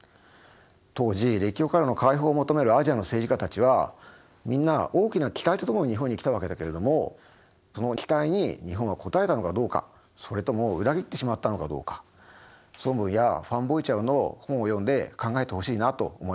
当時列強からの解放を求めるアジアの政治家たちはみんな大きな期待とともに日本に来たわけだけれどもその期待に日本は応えたのかどうかそれとも裏切ってしまったのかどうか孫文やファン・ボイ・チャウの本を読んで考えてほしいなと思います。